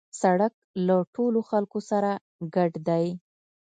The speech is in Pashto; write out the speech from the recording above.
سړک له ټولو خلکو سره ګډ دی.